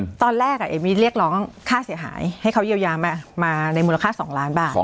ตอนแรกอ่ะเอมมี่เรียกร้องค่าเสียหายให้เขาเยียวยามาในมูลค่าสองล้านบาท